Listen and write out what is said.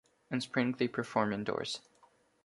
In spring they perform indoors.